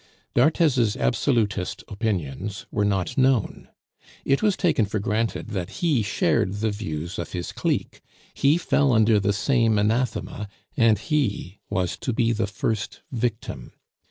D'Arthez's absolutist opinions were not known; it was taken for granted that he shared the views of his clique, he fell under the same anathema, and he was to be the first victim.